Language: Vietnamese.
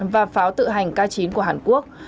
và pháo tự hành k chín của hàn quốc